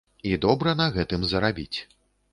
І добра на гэтым зарабіць.